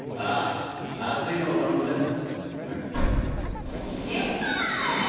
ああ熱いのを頼むぜ！